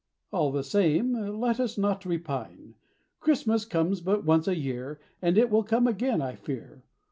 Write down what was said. All the same, Let us not repine: Christmas comes but once a year, And it will come again, I fear.